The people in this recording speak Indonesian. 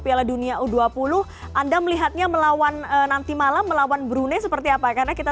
piala dunia u dua puluh anda melihatnya melawan nanti malam melawan brunei seperti apa karena kita